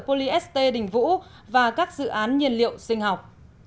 poly st đình vũ và các dự án nhiên liệu sinh học